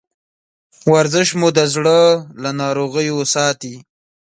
ورزش مو د زړه له ناروغیو ساتي.